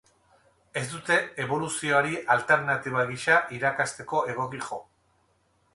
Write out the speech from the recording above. Ez dute eboluzioari alternatiba gisa irakasteko egoki jo.